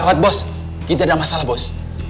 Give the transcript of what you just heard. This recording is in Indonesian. lewat bos kita ada masalah bos